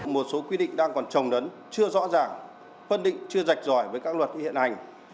một số quy định đang còn trồng đấn chưa rõ ràng phân định chưa rạch ròi với các luật hiện hành